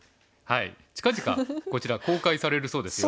近々こちら公開されるそうですよ。